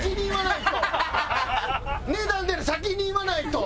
値段出る先に言わないと。